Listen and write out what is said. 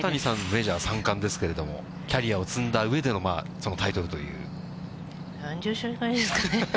メジャー３冠ですけれども、キャリアを積んだうえでのそのタイトルという。